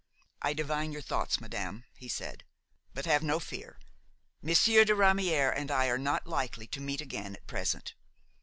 "I divine your thoughts, madame," he said; "but have no fear, Monsieur de Ramière and I are not likely to meet again at present.